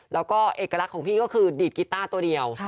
แล้วก็เอกลักษณ์ของพี่ก็คือดีดกีต้าตัวเดียว